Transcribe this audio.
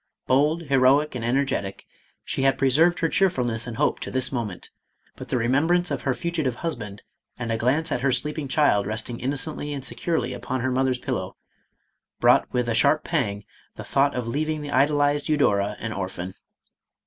Bold, heroic, and energetic, she had preserved her cheerfulness and hope to this moment, but the remembrance of her fugi tive husband and a glance at her sleeping child resting innocently and securely upon her mother's pillow, brought with a sharp pang the thought of leaving the idolized Eudora an orphan.